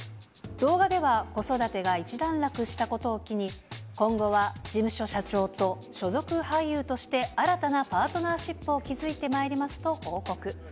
動画では、子育てが一段落したことを機に、今後は事務所社長と所属俳優として新たなパートナーシップを築いてまいりますと報告。